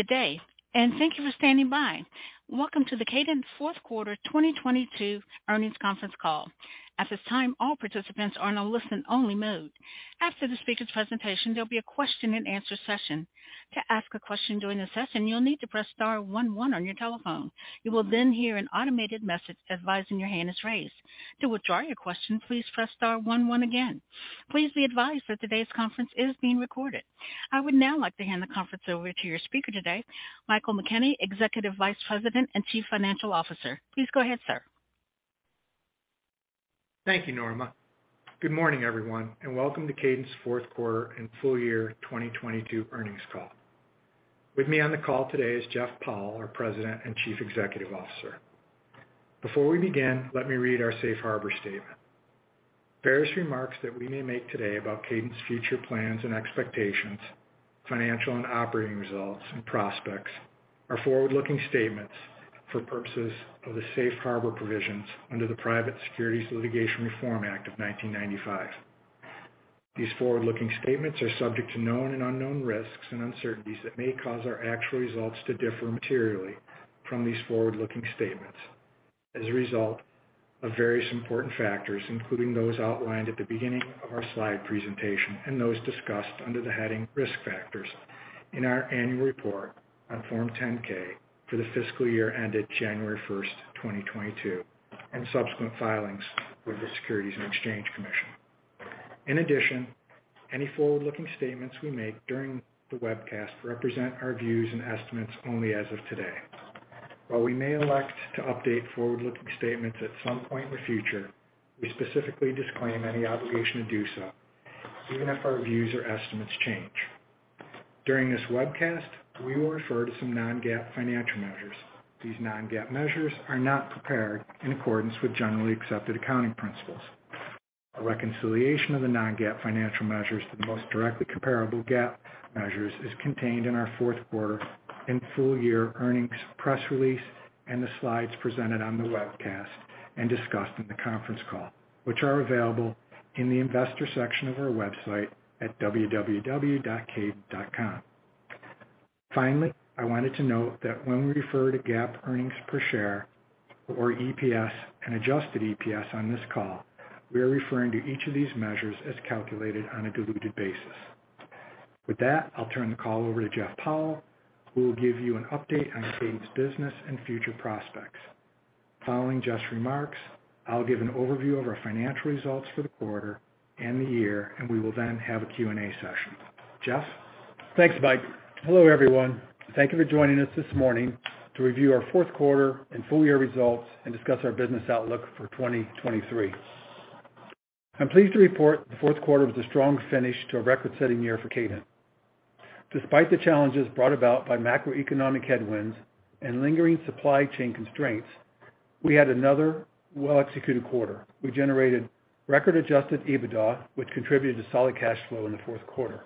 Good day. Thank you for standing by. Welcome to the Kadant fourth quarter 2022 earnings conference call. At this time, all participants are in a listen only mode. After the speaker's presentation, there'll be a question and answer session. To ask a question during the session, you'll need to press star one one on your telephone. You will hear an automated message advising your hand is raised. To withdraw your question, please press star one one again. Please be advised that today's conference is being recorded. I would now like to hand the conference over to your speaker today, Michael McKenney, Executive Vice President and Chief Financial Officer. Please go ahead, sir. Thank you, Norma. Good morning, everyone. Welcome to Kadant's fourth quarter and full year 2022 earnings call. With me on the call today is Jeff Powell, our President and Chief Executive Officer. Before we begin, let me read our safe harbor statement. Various remarks that we may make today about Kadant's future plans and expectations, financial and operating results and prospects are forward-looking statements for purposes of the safe harbor provisions under the Private Securities Litigation Reform Act of 1995. These forward-looking statements are subject to known and unknown risks and uncertainties that may cause our actual results to differ materially from these forward-looking statements as a result of various important factors, including those outlined at the beginning of our slide presentation and those discussed under the heading Risk Factors in our annual report on Form 10-K for the fiscal year ended January 1, 2022, and subsequent filings with the Securities and Exchange Commission. In addition, any forward-looking statements we make during the webcast represent our views and estimates only as of today. While we may elect to update forward-looking statements at some point in the future, we specifically disclaim any obligation to do so, even if our views or estimates change. During this webcast, we will refer to some non-GAAP financial measures. These non-GAAP measures are not prepared in accordance with generally accepted accounting principles. A reconciliation of the non-GAAP financial measures to the most directly comparable GAAP measures is contained in our fourth quarter and full-year earnings press release, the slides presented on the webcast and discussed in the conference call, which are available in the Investors section of our website at www.kadant.com. Finally, I wanted to note that when we refer to GAAP earnings per share or EPS and adjusted EPS on this call, we are referring to each of these measures as calculated on a diluted basis. With that, I'll turn the call over to Jeff Powell, who will give you an update on Kadant's business and future prospects. Following Jeff's remarks, I'll give an overview of our financial results for the quarter and the year, we will then have a Q&A session. Jeff? Thanks, Mike. Hello, everyone. Thank you for joining us this morning to review our fourth quarter and full year results and discuss our business outlook for 2023. I'm pleased to report the fourth quarter was a strong finish to a record-setting year for Kadant. Despite the challenges brought about by macroeconomic headwinds and lingering supply chain constraints, we had another well-executed quarter. We generated record adjusted EBITDA, which contributed to solid cash flow in the fourth quarter.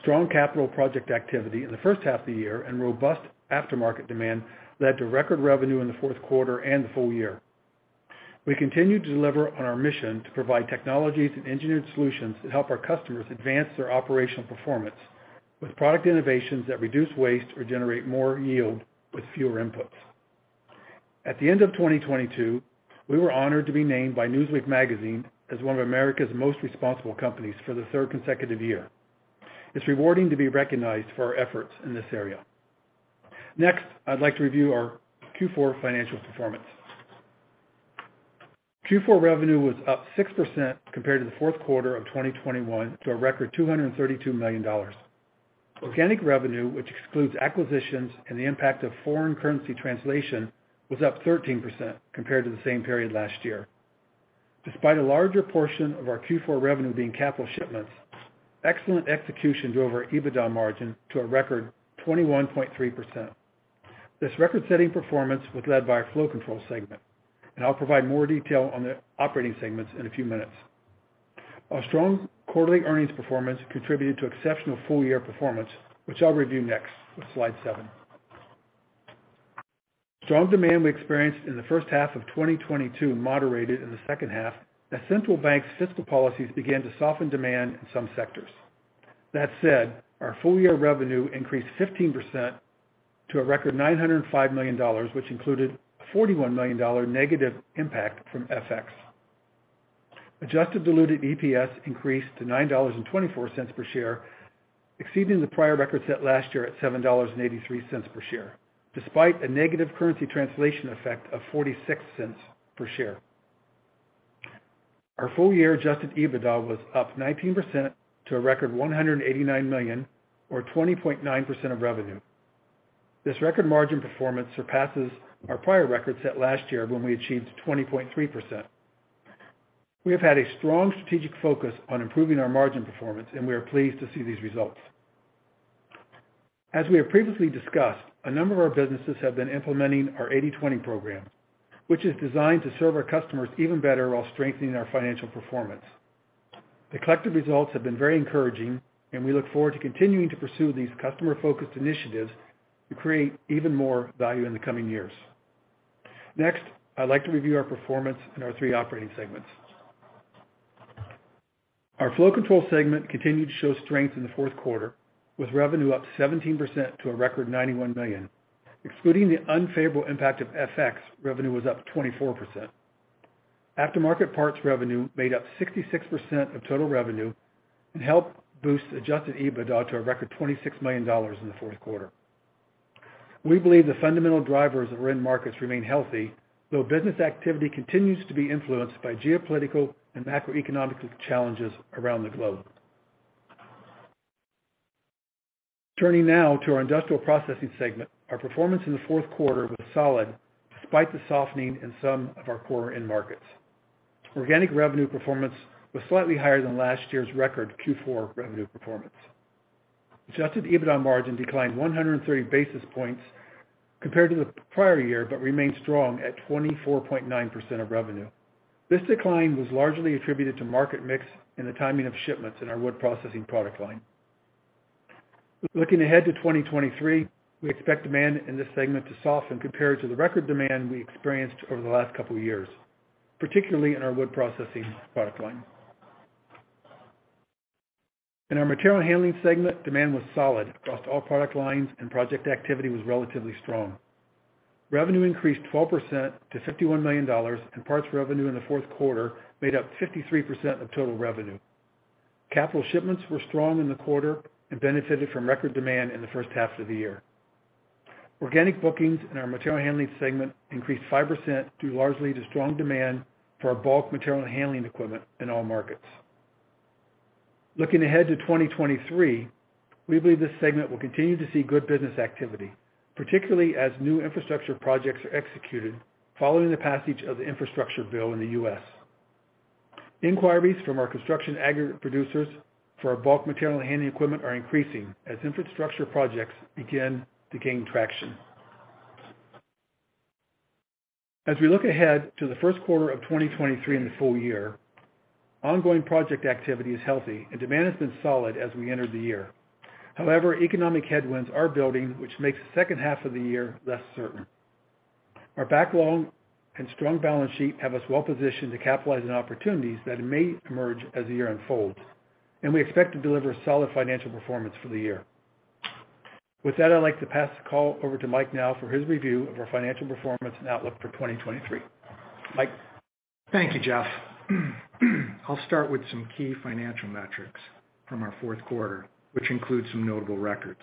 Strong capital project activity in the first half of the year and robust aftermarket demand led to record revenue in the fourth quarter and the full year. We continued to deliver on our mission to provide technologies and engineered solutions that help our customers advance their operational performance with product innovations that reduce waste or generate more yield with fewer inputs. At the end of 2022, we were honored to be named by Newsweek Magazine as one of America's most responsible companies for the third consecutive year. It's rewarding to be recognized for our efforts in this area. Next, I'd like to review our Q4 financial performance. Q4 revenue was up 6% compared to the fourth quarter of 2021 to a record $232 million. Organic revenue, which excludes acquisitions and the impact of foreign currency translation, was up 13% compared to the same period last year. Despite a larger portion of our Q4 revenue being capital shipments, excellent execution drove our EBITDA margin to a record 21.3%. This record-setting performance was led by our Flow Control segment, I'll provide more detail on the operating segments in a few minutes. Our strong quarterly earnings performance contributed to exceptional full-year performance, which I'll review next on slide seven. Strong demand we experienced in the first half of 2022 moderated in the second half as central bank fiscal policies began to soften demand in some sectors. Our full-year revenue increased 15% to a record $905 million, which included a $41 million negative impact from FX. Adjusted diluted EPS increased to $9.24 per share, exceeding the prior record set last year at $7.83 per share, despite a negative currency translation effect of $0.46 per share. Our full-year adjusted EBITDA was up 19% to a record $189 million or 20.9% of revenue. This record margin performance surpasses our prior record set last year when we achieved 20.3%. We have had a strong strategic focus on improving our margin performance, we are pleased to see these results. As we have previously discussed, a number of our businesses have been implementing our 80/20 program, which is designed to serve our customers even better while strengthening our financial performance. The collective results have been very encouraging, we look forward to continuing to pursue these customer-focused initiatives to create even more value in the coming years. Next, I'd like to review our performance in our three operating segments. Our Flow Control segment continued to show strength in the fourth quarter, with revenue up 17% to a record $91 million. Excluding the unfavorable impact of FX, revenue was up 24%. Aftermarket parts revenue made up 66% of total revenue and helped boost adjusted EBITDA to a record $26 million in the fourth quarter. We believe the fundamental drivers of end markets remain healthy, though business activity continues to be influenced by geopolitical and macroeconomic challenges around the globe. Turning now to our Industrial Processing segment. Our performance in the fourth quarter was solid despite the softening in some of our core end markets. Organic revenue performance was slightly higher than last year's record Q4 revenue performance. Adjusted EBITDA margin declined 130 basis points compared to the prior year, but remained strong at 24.9% of revenue. This decline was largely attributed to market mix and the timing of shipments in our wood processing product line. Looking ahead to 2023, we expect demand in this segment to soften compared to the record demand we experienced over the last couple of years, particularly in our wood processing product line. In our Material Handling segment, demand was solid across all product lines and project activity was relatively strong. Revenue increased 12% to $51 million, and parts revenue in the 4th quarter made up 53% of total revenue. Capital shipments were strong in the quarter and benefited from record demand in the first half of the year. Organic bookings in our Material Handling segment increased 5% due largely to strong demand for our bulk material handling equipment in all markets. Looking ahead to 2023, we believe this segment will continue to see good business activity, particularly as new Infrastructure projects are executed following the passage of the Infrastructure bill in the U.S. Inquiries from our construction aggregate producers for our bulk material handling equipment are increasing as infrastructure projects begin to gain traction. As we look ahead to the first quarter of 2023 and the full year, ongoing project activity is healthy and demand has been solid as we entered the year. Economic headwinds are building, which makes the second half of the year less certain. Our backlog and strong balance sheet have us well positioned to capitalize on opportunities that may emerge as the year unfolds, and we expect to deliver solid financial performance for the year. With that, I'd like to pass the call over to Mike now for his review of our financial performance and outlook for 2023. Mike? Thank you, Jeff. I'll start with some key financial metrics from our fourth quarter, which includes some notable records.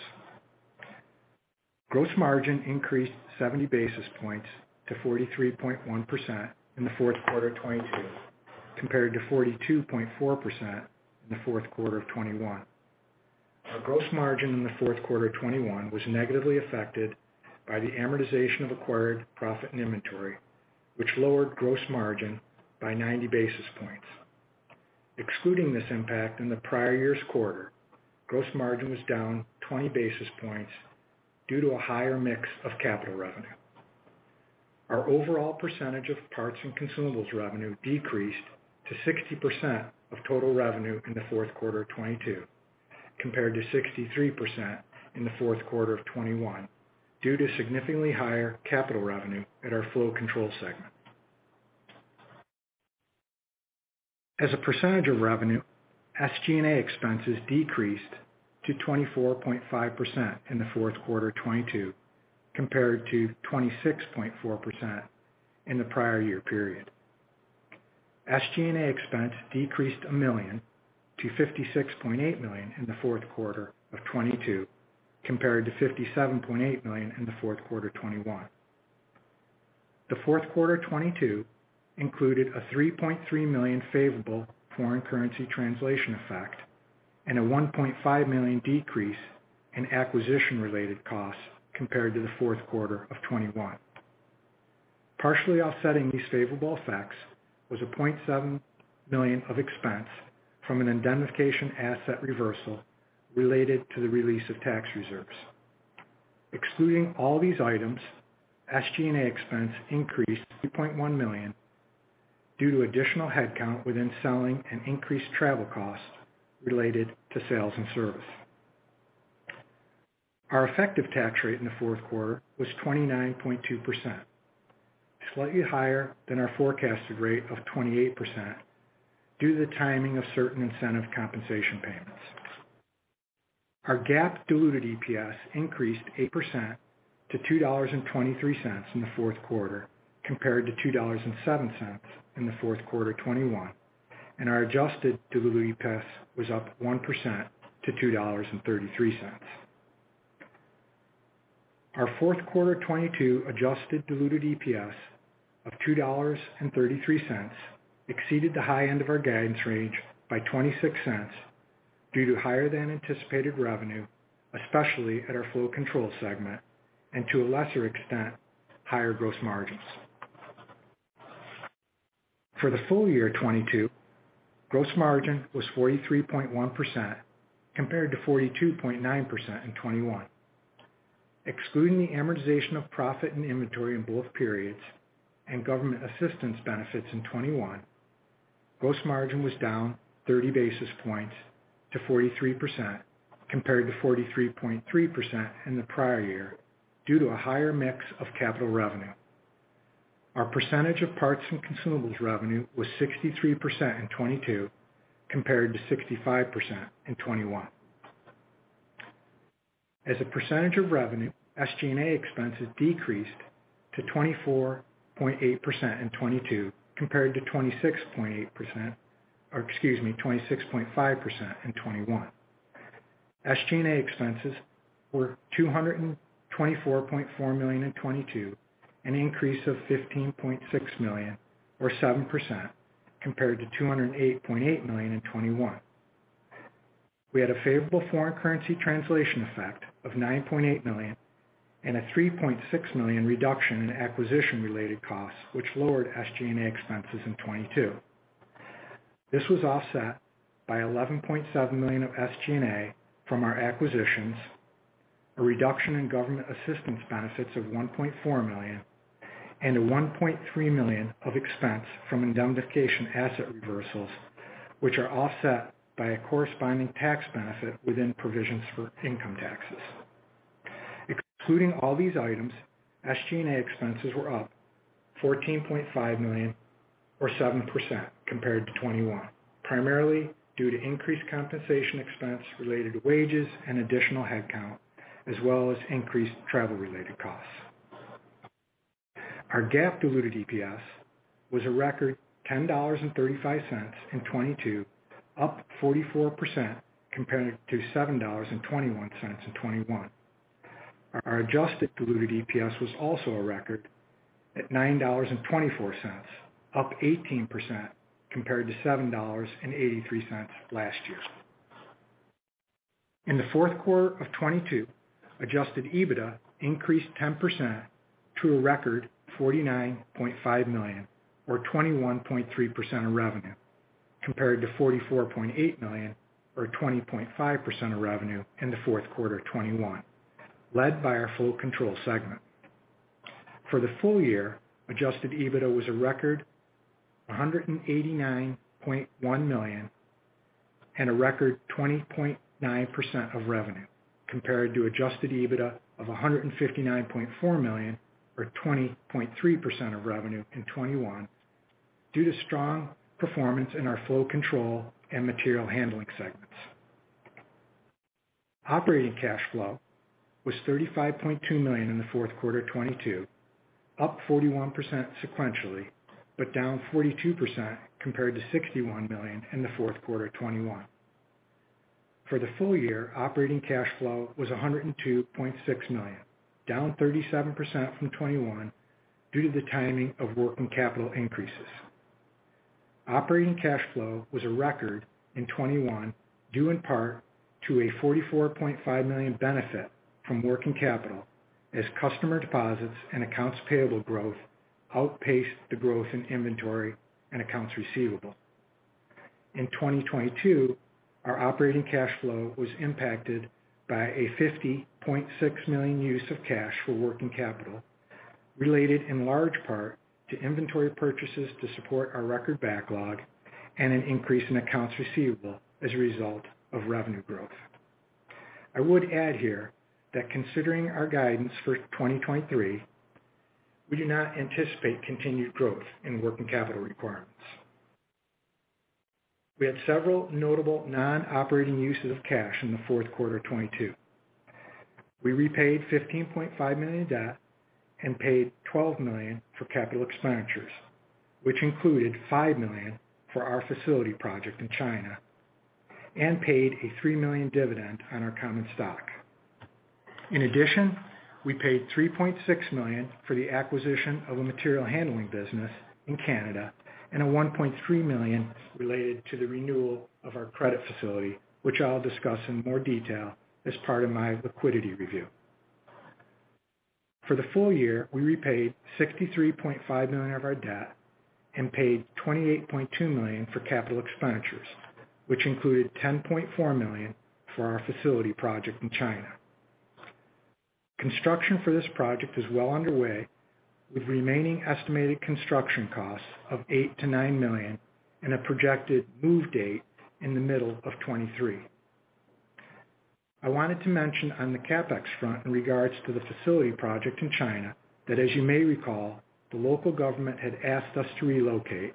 Gross margin increased 70 basis points to 43.1% in the fourth quarter of 2022, compared to 42.4% in the fourth quarter of 2021. Our gross margin in the fourth quarter of 2021 was negatively affected by the amortization of acquired profit and inventory, which lowered gross margin by 90 basis points. Excluding this impact in the prior year's quarter, gross margin was down 20 basis points due to a higher mix of capital revenue. Our overall percentage of parts and consumables revenue decreased to 60% of total revenue in the fourth quarter of 2022, compared to 63% in the fourth quarter of 2021, due to significantly higher capital revenue at our Flow Control segment. As a percentage of revenue, SG&A expenses decreased to 24.5% in the fourth quarter of 2022, compared to 26.4% in the prior year period. SG&A expense decreased $1 million to $56.8 million in the fourth quarter of 2022, compared to $57.8 million in the fourth quarter of 2021. The fourth quarter of 2022 included a $3.3 million favorable foreign currency translation effect and a $1.5 million decrease in acquisition-related costs compared to the fourth quarter of 2021. Partially offsetting these favorable effects was a $0.7 million of expense from an indemnification asset reversal related to the release of tax reserves. Excluding all these items, SG&A expense increased to $0.1 million due to additional headcount within selling and increased travel costs related to sales and service. Our effective tax rate in the fourth quarter was 29.2%, slightly higher than our forecasted rate of 28% due to the timing of certain incentive compensation payments. Our GAAP diluted EPS increased 8% to $2.23 in the fourth quarter compared to $2.07 in the fourth quarter of 2021, and our adjusted diluted EPS was up 1% to $2.33. Our fourth quarter of 2022 adjusted diluted EPS of $2.33 exceeded the high end of our guidance range by $0.26 due to higher than anticipated revenue, especially at our Flow Control segment, and to a lesser extent, higher gross margins. For the full year of 2022, gross margin was 43.1% compared to 42.9% in 2021. Excluding the amortization of profit and inventory in both periods and government assistance benefits in 2021, gross margin was down 30 basis points to 43%, compared to 43.3% in the prior year due to a higher mix of capital revenue. Our percentage of parts and consumables revenue was 63% in 2022 compared to 65% in 2021. As a percentage of revenue, SG&A expenses decreased to 24.8% in 2022 compared to 26.8%, or excuse me, 26.5% in 2021. SG&A expenses were $224.4 million in 2022, an increase of $15.6 million or 7% compared to $208.8 million in 2021. We had a favorable foreign currency translation effect of $9.8 million and a $3.6 million reduction in acquisition-related costs which lowered SG&A expenses in 2022. This was offset by $11.7 million of SG&A from our acquisitions, a reduction in government assistance benefits of $1.4 million, and a $1.3 million of expense from indemnification asset reversals, which are offset by a corresponding tax benefit within provisions for income taxes. Excluding all these items, SG&A expenses were up $14.5 million or 7% compared to 2021, primarily due to increased compensation expense related to wages and additional headcount, as well as increased travel-related costs. Our GAAP diluted EPS was a record $10.35 in 2022, up 44% compared to $7.21 in 2021. Our adjusted diluted EPS was also a record at $9.24, up 18% compared to $7.83 last year. In the fourth quarter of 2022, adjusted EBITDA increased 10% to a record $49.5 million or 21.3% of revenue, compared to $44.8 million or 20.5% of revenue in the fourth quarter of 2021, led by our Flow Control segment. For the full year, adjusted EBITDA was a record $189.1 million and a record 20.9% of revenue compared to adjusted EBITDA of $159.4 million or 20.3% of revenue in 2021, due to strong performance in our Flow Control and Material Handling segments. Operating cash flow was $35.2 million in the fourth quarter of 2022, up 41% sequentially, but down 42% compared to $61 million in the fourth quarter of 2021. For the full year, operating cash flow was $102.6 million, down 37% from 2021 due to the timing of working capital increases. Operating cash flow was a record in 2021 due in part to a $44.5 million benefit from working capital as customer deposits and accounts payable growth outpaced the growth in inventory and accounts receivable. In 2022, our operating cash flow was impacted by a $50.6 million use of cash for working capital, related in large part to inventory purchases to support our record backlog and an increase in accounts receivable as a result of revenue growth. I would add here that considering our guidance for 2023, we do not anticipate continued growth in working capital requirements. We had several notable non-operating uses of cash in the fourth quarter of 2022. We repaid $15.5 million debt and paid $12 million for capital expenditures, which included $5 million for our facility project in China and paid a $3 million dividend on our common stock. In addition, we paid $3.6 million for the acquisition of a Material Handling business in Canada and a $1.3 million related to the renewal of our credit facility, which I'll discuss in more detail as part of my liquidity review. For the full year, we repaid $63.5 million of our debt and paid $28.2 million for capital expenditures, which included $10.4 million for our facility project in China. Construction for this project is well underway with remaining estimated construction costs of $8 million-$9 million and a projected move date in the middle of 2023. I wanted to mention on the CapEx front in regards to the facility project in China, that as you may recall, the local government had asked us to relocate.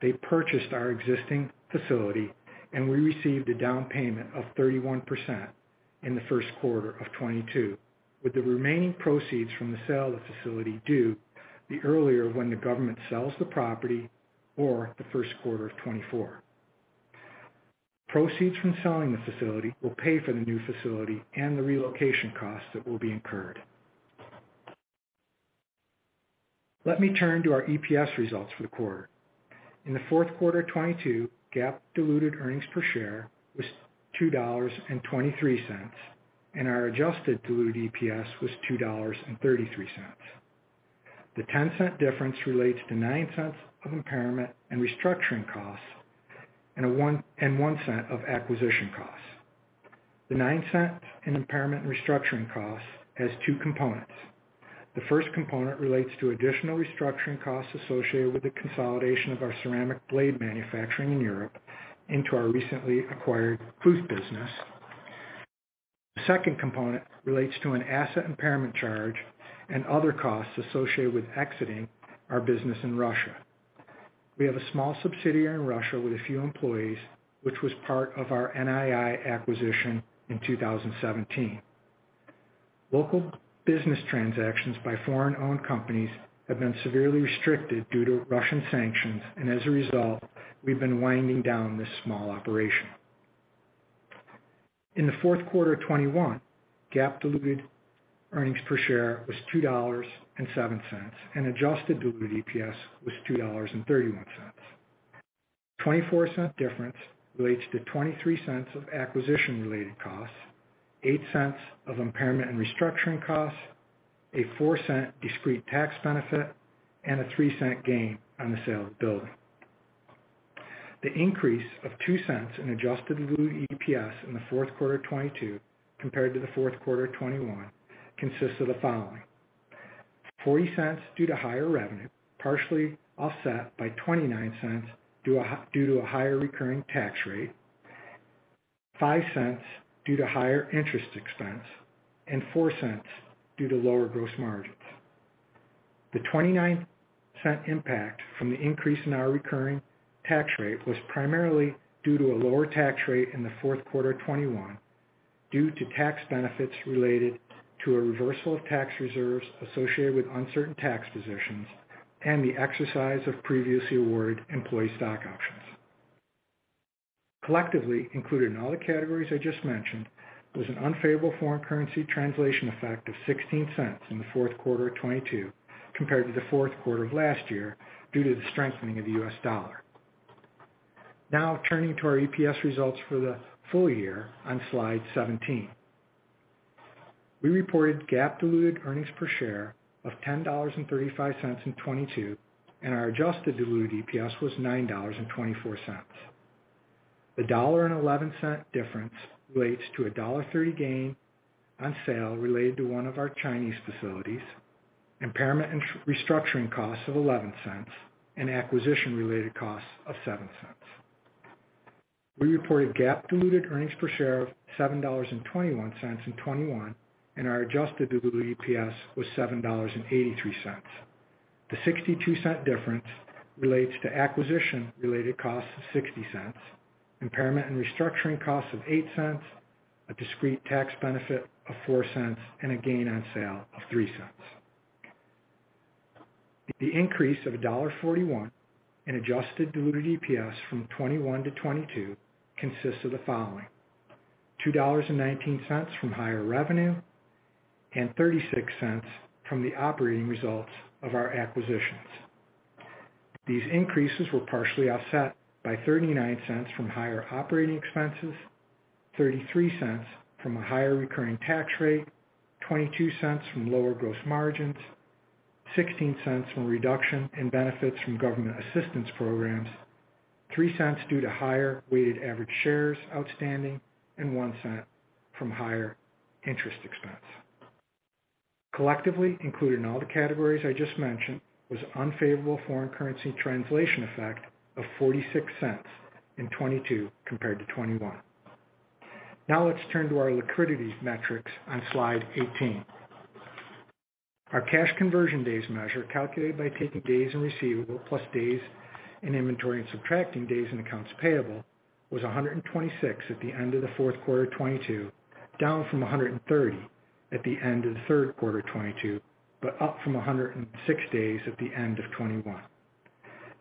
They purchased our existing facility, and we received a down payment of 31% in the first quarter of 2022, with the remaining proceeds from the sale of the facility due the earlier when the government sells the property or the first quarter of 2024. Proceeds from selling the facility will pay for the new facility and the relocation costs that will be incurred. Let me turn to our EPS results for the quarter. In the fourth quarter of 2022, GAAP diluted earnings per share was $2.23. Our adjusted diluted EPS was $2.33. The $0.10 difference relates to $0.09 of impairment and restructuring costs and $0.01 of acquisition costs. The $0.09 in impairment and restructuring costs has two components. The first component relates to additional restructuring costs associated with the consolidation of our ceramic blade manufacturing in Europe into our recently acquired Clouth business. The second component relates to an asset impairment charge and other costs associated with exiting our business in Russia. We have a small subsidiary in Russia with a few employees, which was part of our NII acquisition in 2017. Local business transactions by foreign-owned companies have been severely restricted due to Russian sanctions, and as a result, we've been winding down this small operation. In the fourth quarter of 2021, GAAP diluted earnings per share was $2.07, and adjusted diluted EPS was $2.31. $0.24 difference relates to $0.23 of acquisition-related costs, $0.08 of impairment and restructuring costs, a $0.04 discrete tax benefit, and a $0.03 gain on the sale of the building. The increase of $0.02 in adjusted diluted EPS in the fourth quarter of 2022 compared to the fourth quarter of 2021 consists of the following: $0.40 due to higher revenue, partially offset by $0.29 due to a higher recurring tax rate, $0.05 due to higher interest expense, and $0.04 due to lower gross margins. The $0.29 impact from the increase in our recurring tax rate was primarily due to a lower tax rate in the fourth quarter of 2021 due to tax benefits related to a reversal of tax reserves associated with uncertain tax positions and the exercise of previously awarded employee stock options. Collectively, included in all the categories I just mentioned, was an unfavorable foreign currency translation effect of $0.16 in the fourth quarter of 2022 compared to the fourth quarter of last year due to the strengthening of the U.S. dollar. Turning to our EPS results for the full year on slide 17. We reported GAAP diluted earnings per share of $10.35 in 2022, and our adjusted diluted EPS was $9.24. The $1.11 difference relates to a $1.30 gain on sale related to one of our Chinese facilities, impairment and restructuring costs of $0.11, and acquisition-related costs of $0.07. We reported GAAP diluted earnings per share of $7.21 in 2021, and our adjusted diluted EPS was $7.83. The $0.62 difference relates to acquisition-related costs of $0.60, impairment and restructuring costs of $0.08, a discrete tax benefit of $0.04, and a gain on sale of $0.03. The increase of $1.41 in adjusted diluted EPS from 2021 to 2022 consists of the following: $2.19 from higher revenue and $0.36 from the operating results of our acquisitions. These increases were partially offset by $0.39 from higher operating expenses, $0.33 from a higher recurring tax rate, $0.22 from lower gross margins, $0.16 from reduction in benefits from government assistance programs, $0.03 due to higher weighted average shares outstanding, and $0.01 from higher interest expense. Collectively, included in all the categories I just mentioned, was unfavorable foreign currency translation effect of $0.46 in 2022 compared to 2021. Let's turn to our liquidity metrics on slide 18. Our cash conversion days measure, calculated by taking days in receivable plus days in inventory and subtracting days in accounts payable, was 126 at the end of the fourth quarter of 2022, down from 130 at the end of the third quarter of 2022, but up from 106 days at the end of 2021.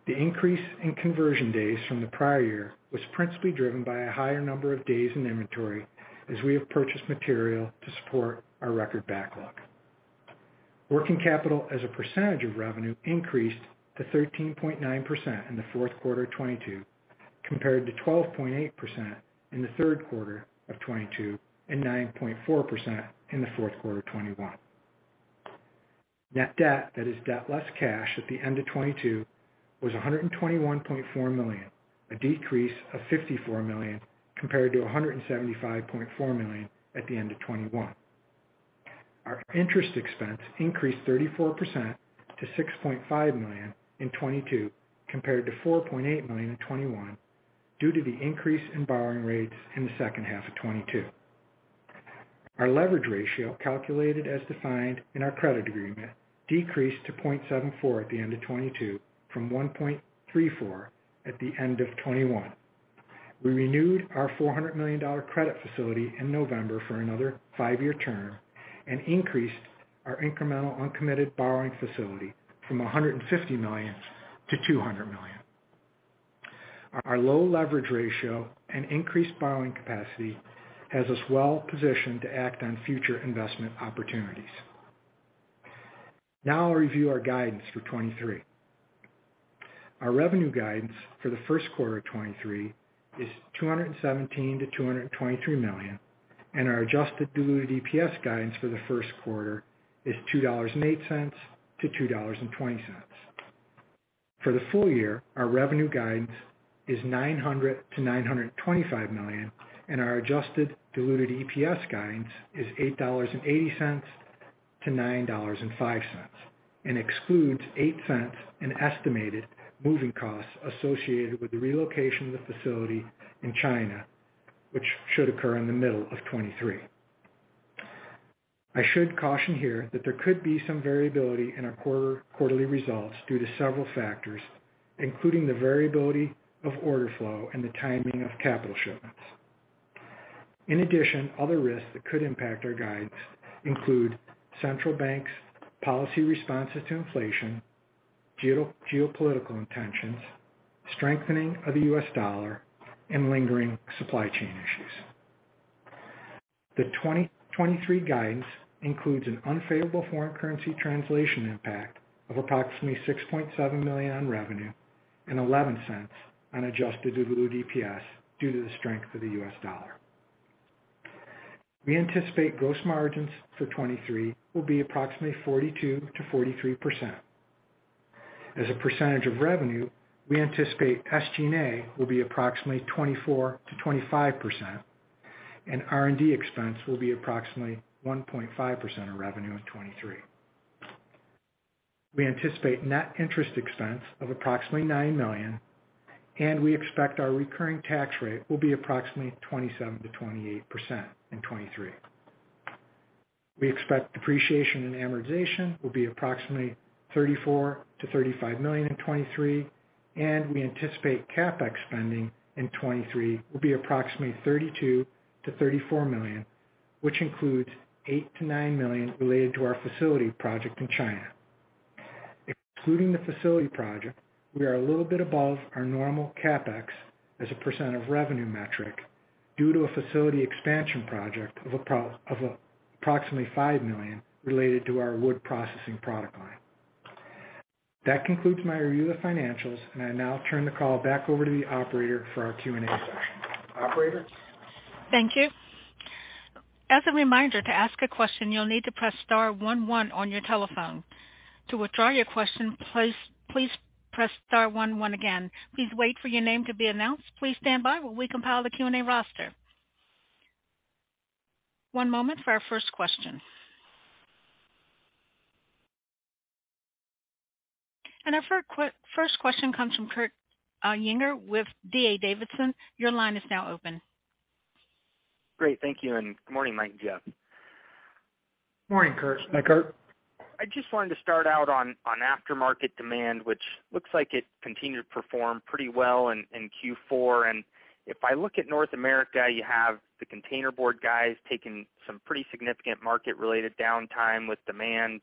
The increase in conversion days from the prior year was principally driven by a higher number of days in inventory as we have purchased material to support our record backlog. Working capital as a percentage of revenue increased to 13.9% in the fourth quarter of 2022, compared to 12.8% in the third quarter of 2022 and 9.4% in the fourth quarter of 2021. Net debt, that is debt less cash, at the end of 2022 was $121.4 million, a decrease of $54 million compared to $175.4 million at the end of 2021. Our interest expense increased 34% to $6.5 million in 2022 compared to $4.8 million in 2021 due to the increase in borrowing rates in the second half of 2022. Our leverage ratio, calculated as defined in our credit agreement, decreased to 0.74 at the end of 2022 from 1.34 at the end of 2021. We renewed our $400 million credit facility in November for another five year term and increased our incremental uncommitted borrowing facility from $150 million-$200 million. Our low leverage ratio and increased borrowing capacity has us well positioned to act on future investment opportunities. I'll review our guidance for 2023. Our revenue guidance for the first quarter of 2023 is $217 million-$223 million, and our adjusted diluted EPS guidance for the first quarter is $2.08-$2.20. For the full year, our revenue guidance is $900 million-$925 million, and our adjusted diluted EPS guidance is $8.80-$9.05, and excludes $0.08 in estimated moving costs associated with the relocation of the facility in China, which should occur in the middle of 2023. I should caution here that there could be some variability in our quarterly results due to several factors, including the variability of order flow and the timing of capital shipments. In addition, other risks that could impact our guidance include central banks' policy responses to inflation, geopolitical intentions, strengthening of the U.S. Dollar, and lingering supply chain issues. The 2023 guidance includes an unfavorable foreign currency translation impact of approximately $67 million on revenue and $0.11 on adjusted diluted EPS due to the strength of the U.S. dollar. We anticipate gross margins for 2023 will be approximately 42%-43%. As a percentage of revenue, we anticipate SG&A will be approximately 24%-25%, and R&D expense will be approximately 1.5% of revenue in 2023. We anticipate net interest expense of approximately $9 million, and we expect our recurring tax rate will be approximately 27%-28% in 2023. We expect depreciation and amortization will be approximately $34 million-$35 million in 2023, and we anticipate CapEx spending in 2023 will be approximately $32 million-$34 million, which includes $8 million-$9 million related to our facility project in China. Excluding the facility project, we are a little bit above our normal CapEx as a percentage of revenue metric due to a facility expansion project of approximately $5 million related to our wood processing product line. That concludes my review of financials, and I now turn the call back over to the operator for our Q&A session. Operator? Thank you. As a reminder, to ask a question, you'll need to press star one one on your telephone. To withdraw your question, please press star one one again. Please wait for your name to be announced. Please stand by while we compile the Q&A roster. One moment for our first question. Our first question comes from Kurt Yinger with D.A. Davidson. Your line is now open. Great. Thank you, and good morning, Mike and Jeff. Morning, Kurt. Hi, Kurt. I just wanted to start out on aftermarket demand, which looks like it continued to perform pretty well in Q4. If I look at North America, you have the containerboard guys taking some pretty significant market-related downtime with demand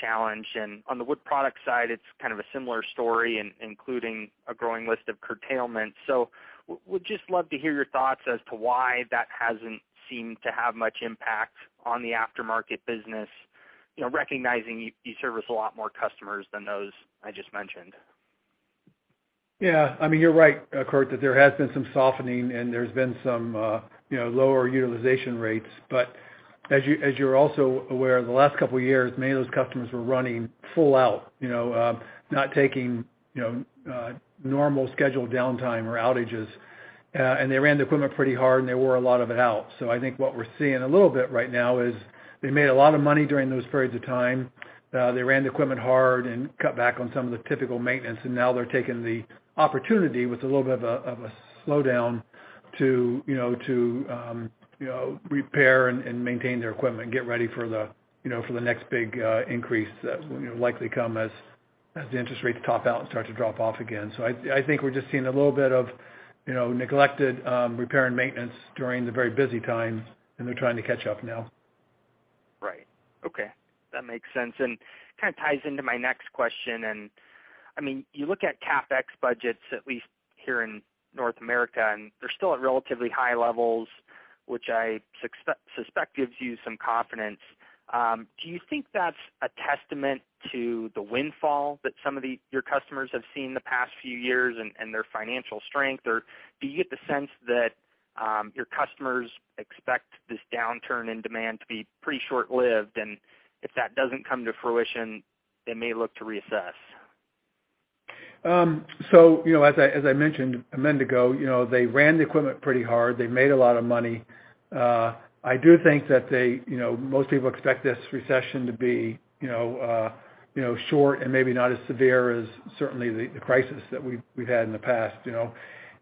challenge. On the wood product side, it's kind of a similar story, including a growing list of curtailments. we'd just love to hear your thoughts as to why that hasn't seemed to have much impact on the aftermarket business, you know, recognizing you service a lot more customers than those I just mentioned. Yeah, I mean, you're right, Kurt, that there has been some softening and there's been some, you know, lower utilization rates. As you're also aware, the last couple of years, many of those customers were running full out, you know, not taking, you know, normal scheduled downtime or outages. They ran the equipment pretty hard, and they wore a lot of it out. I think what we're seeing a little bit right now is they made a lot of money during those periods of time. They ran the equipment hard and cut back on some of the typical maintenance, now they're taking the opportunity with a little bit of a slowdown to, you know, repair and maintain their equipment, get ready for the next big increase that will likely come as the interest rates top out and start to drop off again. I think we're just seeing a little bit of, you know, neglected repair and maintenance during the very busy times, and they're trying to catch up now. Right. Okay. That makes sense and kind of ties into my next question. I mean, you look at CapEx budgets, at least here in North America, and they're still at relatively high levels, which I suspect gives you some confidence. Do you think that's a testament to the windfall that some of your customers have seen the past few years and their financial strength? Do you get the sense that your customers expect this downturn in demand to be pretty short-lived, and if that doesn't come to fruition, they may look to reassess? You know, as I, as I mentioned a minute ago, you know, they ran the equipment pretty hard. They made a lot of money. I do think that they, you know, most people expect this recession to be, you know, short and maybe not as severe as certainly the crisis that we've had in the past, you know.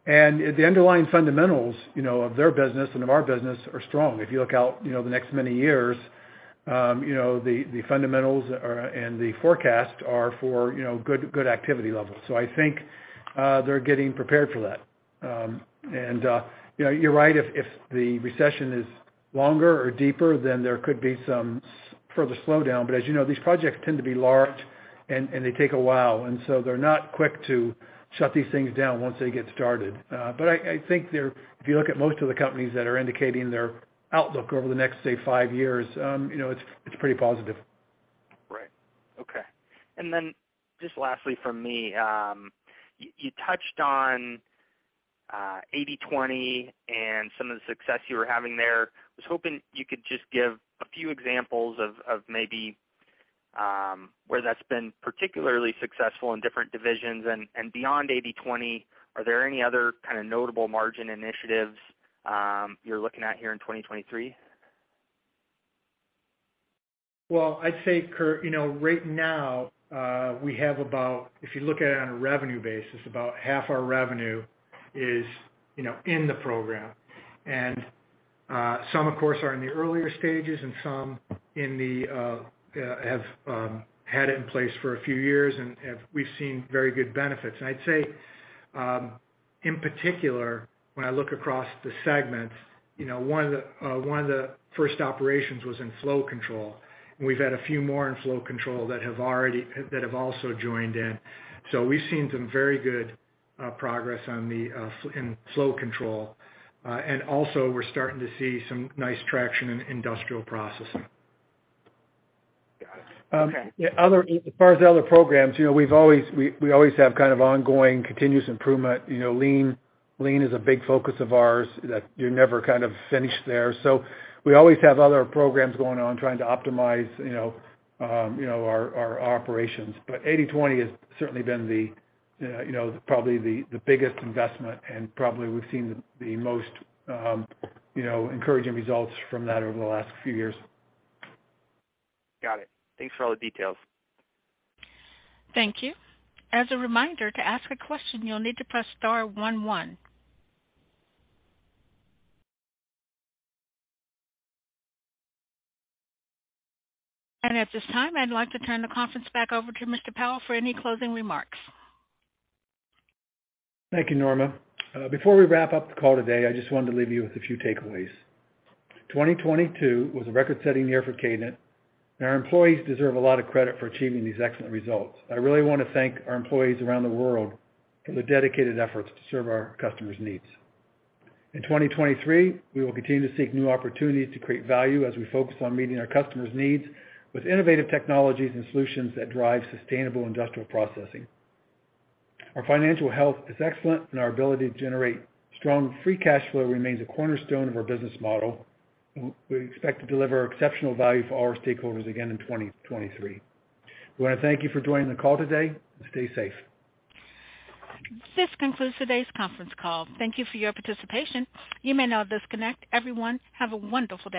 The underlying fundamentals, you know, of their business and of our business are strong. If you look out, you know, the next many years, you know, the fundamentals are, and the forecast are for, you know, good activity levels. I think they're getting prepared for that. You know, you're right, if the recession is longer or deeper, then there could be some further slowdown. As you know, these projects tend to be large and they take a while, and so they're not quick to shut these things down once they get started. I think they're, if you look at most of the companies that are indicating their outlook over the next, say, five years, you know, it's pretty positive. Right. Okay. Then just lastly from me, you touched on 80/20 and some of the success you were having there. I was hoping you could just give a few examples of maybe where that's been particularly successful in different divisions and beyond 80/20, are there any other kind of notable margin initiatives, you're looking at here in 2023? Well, I'd say, Kurt, you know, right now, we have about. If you look at it on a revenue basis, about half our revenue is, you know, in the program. Some of course are in the earlier stages and some in the have had it in place for a few years and we've seen very good benefits. I'd say, in particular, when I look across the segments, you know, one of the one of the first operations was in Flow Control, and we've had a few more in Flow Control that have also joined in. We've seen some very good progress on the in Flow Control. Also we're starting to see some nice traction in Industrial Processing. Got it. Okay. As far as the other programs, you know, we always have kind of ongoing continuous improvement. You know, lean is a big focus of ours that you're never kind of finished there. We always have other programs going on, trying to optimize, you know, you know, our operations. 80/20 has certainly been the, you know, probably the biggest investment and probably we've seen the most, you know, encouraging results from that over the last few years. Got it. Thanks for all the details. Thank you. As a reminder, to ask a question, you'll need to press star one one. At this time, I'd like to turn the conference back over to Mr. Powell for any closing remarks. Thank you, Norma. Before we wrap up the call today, I just wanted to leave you with a few takeaways. 2022 was a record-setting year for Kadant, and our employees deserve a lot of credit for achieving these excellent results. I really wanna thank our employees around the world for their dedicated efforts to serve our customers' needs. In 2023, we will continue to seek new opportunities to create value as we focus on meeting our customers' needs with innovative technologies and solutions that drive sustainable Industrial Processing. Our financial health is excellent, and our ability to generate strong free cash flow remains a cornerstone of our business model. We expect to deliver exceptional value for all our stakeholders again in 2023. We wanna thank you for joining the call today, and stay safe. This concludes today's conference call. Thank you for your participation. You may now disconnect. Everyone, have a wonderful day.